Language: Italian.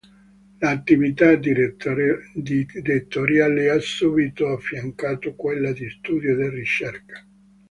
All'attività direttoriale ha subito affiancato quella di studio e di ricerca.